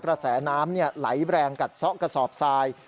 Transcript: กระแสน้ำไหลแรงกัดซ่อกระสอบทราย